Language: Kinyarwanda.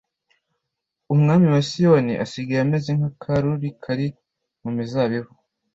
umwari wa siyoni asigaye ameze nk'akaruri kari mu mizabibu